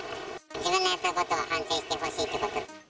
自分でやったことを反省してほしい。